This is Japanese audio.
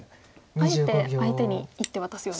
あえて相手に１手渡すような。